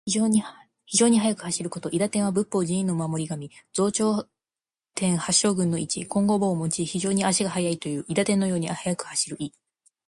非常に速く走ること。「韋駄天」は仏法・寺院の守り神。増長天八将軍の一。金剛杵をもち、非常に足が速いという。韋駄天のように速く走る意。